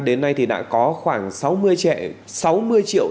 đến nay thì đã có khoảng sáu mươi triệu